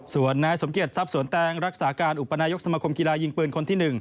ส่วนนายสมเกียจทรัพย์สวนแตงรักษาการอุปนายกสมคมกีฬายิงปืนคนที่๑